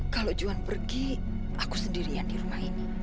kalau juan pergi aku sendirian di rumah ini